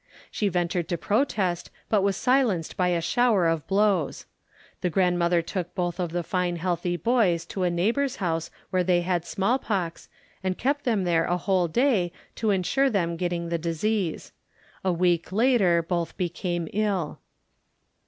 She ventured to protest but was silenced by a shower of blows. The grandmother took both of the fine healthy boys to a neighbor's house where they had smallpox, and kept them there a whole day to ensure them getting the disease. A week later both became ill.